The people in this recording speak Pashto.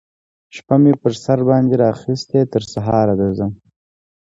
شپه می پر سر باندی اخیستې تر سهاره درځم